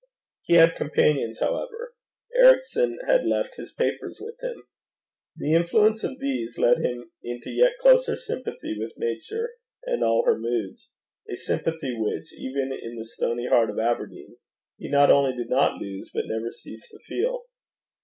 He had companions, however: Ericson had left his papers with him. The influence of these led him into yet closer sympathy with Nature and all her moods; a sympathy which, even in the stony heart of London, he not only did not lose but never ceased to feel.